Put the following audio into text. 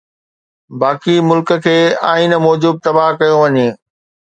باقي ملڪ کي آئين موجب تباهه ڪيو وڃي